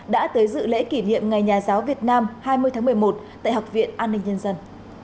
đã tới dự lễ kỷ niệm ngày nhà giáo việt nam hai mươi tháng một mươi một tại học viện an ninh nhân dân